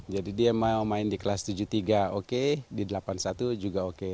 jadi dia mau main di kelas tujuh puluh tiga oke di delapan puluh satu juga oke